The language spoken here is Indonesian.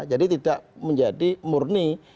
jadi tidak menjadi murni